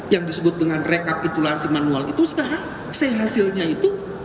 yang disebut dengan rekapitulasi manual itu setelah c hasilnya itu